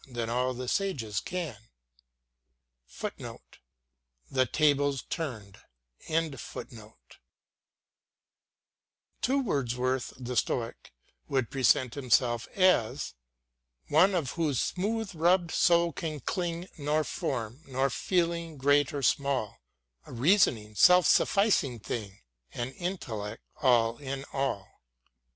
Than all the sages can.* To Wordsworth the Stoic would present him self as One to whose smooth rubbed soul can cling Nor form, nor feeling, great or small ; A reasoning, self sufficing thing, An intellectual All in all